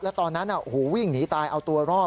แล้วตอนนั้นวิ่งหนีตายเอาตัวรอด